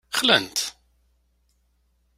Xlan-t.